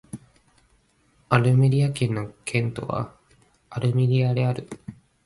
アルメリア県の県都はアルメリアである